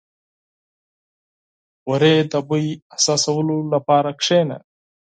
• د باران د بوی احساسولو لپاره کښېنه.